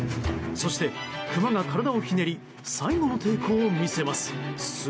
そして、クマが体をひねり最後の抵抗を見せます。